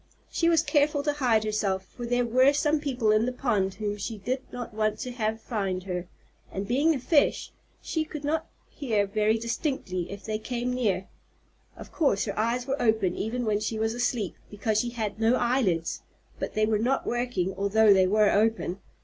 She was careful to hide herself, for there were some people in the pond whom she did not want to have find her; and, being a fish, she could not hear very distinctly if they came near. Of course her eyes were open even when she was asleep, because she had no eyelids, but they were not working although they were open.